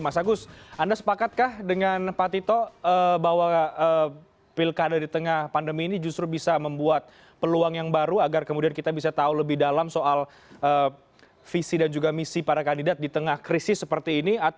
mas agus anda sepakatkah dengan pak tito bahwa pilkada di tengah pandemi ini justru bisa membuat peluang yang baru agar kemudian kita bisa tahu lebih dalam soal pandemi